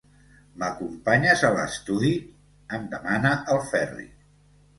M'acompanyes a l'estudi? –em demana el Ferri.